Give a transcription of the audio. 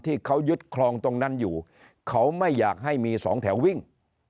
ที่เขายึดคลองตรงนั้นอยู่เขาไม่อยากให้มีสองแถววิ่ง